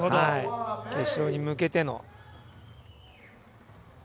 決勝に向けての。